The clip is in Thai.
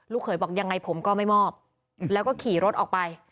เขยบอกยังไงผมก็ไม่มอบแล้วก็ขี่รถออกไป